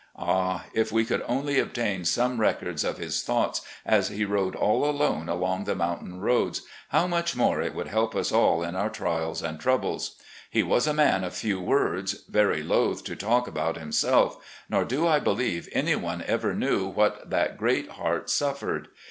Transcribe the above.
Ah, if we could only obtain some records of his thoughts as he rode all alone along the mountain roads, how much it would help us all in our trials and troubles ! He was a man of few words, very loath to talk about himself, nor do I believe any one ever knew what that great heart suffered.